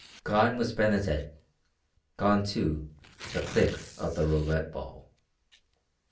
Gone was Benazet, gone, too, the click of the roulette ball.